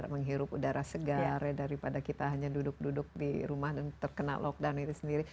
menghirup udara segar daripada kita hanya duduk duduk di rumah dan terkena lockdown itu sendiri